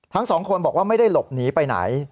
ทั้งสองคนบอกว่าไม่ได้หลบหนีไปไหน